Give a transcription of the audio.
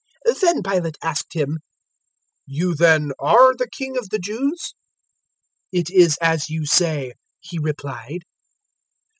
023:003 Then Pilate asked Him, "You, then, are the King of the Jews?" "It is as you say," He replied.